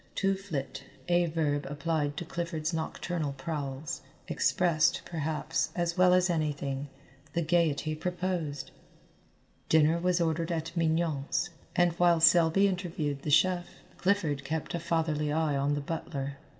To flit, a verb applied to Clifford's nocturnal prowls, expressed, perhaps, as well as anything, the gaiety proposed. Dinner was ordered at Mignon's, and while Selby interviewed the chef, Clifford kept a fatherly eye on the butler.